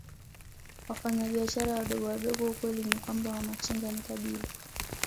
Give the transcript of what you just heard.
Wafanyabiashara wadogowadogo Ukweli ni kwamba Wamachinga ni kabila